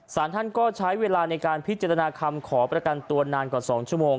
สารท่านก็ใช้เวลาในการพิจารณาคำขอประกันตัวนานกว่า๒ชั่วโมง